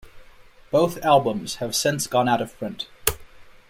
Both albums have since gone out of print.